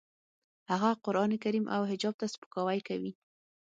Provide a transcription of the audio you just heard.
هغه قرانکریم او حجاب ته سپکاوی کوي